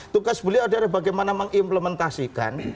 tugas beliau adalah bagaimana mengimplementasikan